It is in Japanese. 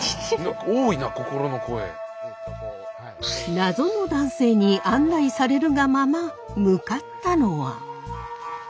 謎の男性に案内されるがまま向かったのは。